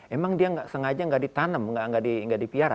emang dia nggak sengaja nggak ditanam nggak dipiara